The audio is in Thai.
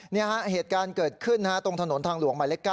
เนี่ยฮะเหตุการณ์เกิดขึ้นนะฮะตรงถนนทางหลวงหมายเล็ก๙